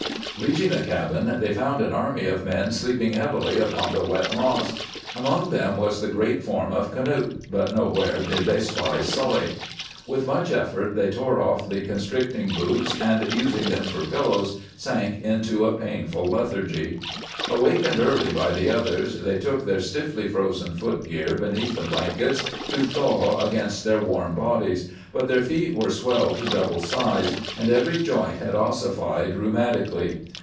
Reaching the cabin, they found an army of men sleeping heavily upon the wet moss. Among them was the great form of Knute, but nowhere did they spy Sully. With much effort they tore off the constricting boots and, using them for pillows, sank into a painful lethargy. Awakened early by the others, they took their stiffly frozen footgear beneath the blankets to thaw against their warm bodies, but their feet were swelled to double size and every joint had ossified rheumatically.